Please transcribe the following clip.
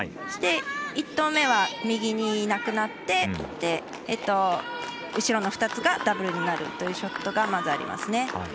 そして、１投目は右になくなって後ろの２つがダブルになるというショットが、まずありますね。